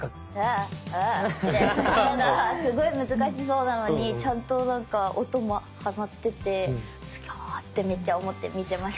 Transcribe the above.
あぁああぁあってところがすごい難しそうなのにちゃんとなんか音もはまっててすごーってめっちゃ思って見てました。